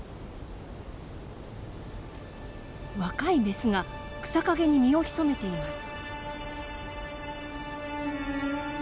若いメスが草陰に身を潜めています。